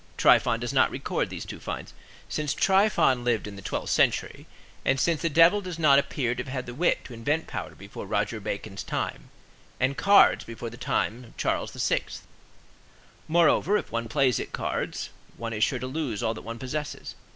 Tryphon does not record these two finds, since Tryphon lived in the twelfth century, and since the devil does not appear to have had the wit to invent powder before Roger Bacon's time, and cards before the time of Charles VI. Moreover, if one plays at cards, one is sure to lose all that one possesses!